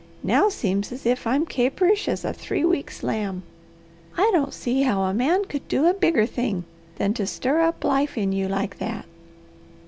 Now seems as if I'm caperish as a three weeks' lamb. I don't see how a man could do a bigger thing than to stir up life in you like that."